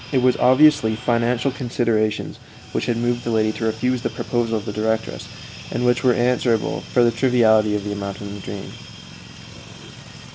It was obviously financial considerations which had moved the lady to refuse the proposal of the directress, and which were answerable for the triviality of the amount in the dream.